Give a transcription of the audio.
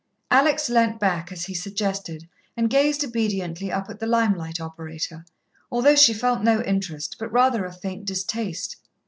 Alex leant back as he suggested and gazed obediently up at the lime light operator, although she felt no interest, but rather a faint distaste.